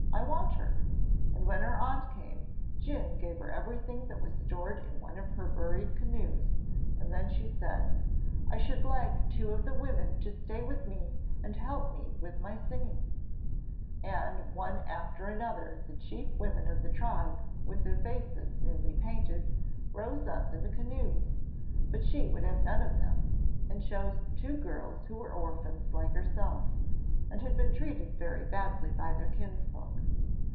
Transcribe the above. I want her;' and when her aunt came Djun gave her everything that was stored in one of her buried canoes, and then she said: 'I should like two of the women to stay with me and help me with my singing,' and one after another the chief women of the tribe, with their faces newly painted, rose up in the canoes; but she would have none of them, and chose two girls who were orphans like herself, and had been treated very badly by their kinsfolk.